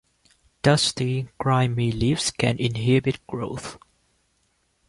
Dusty, grimy leaves can inhibit growth.